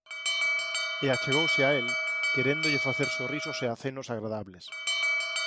E achegouse a el, queréndolle facer sorrisos e acenos agradables.